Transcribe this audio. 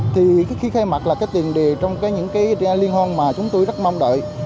thì khi khai mạc là cái tiền đề trong những cái liên hoan mà chúng tôi rất mong đợi